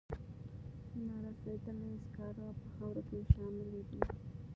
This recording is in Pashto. نارسیدلي سکاره په خاورو کې شاملې دي.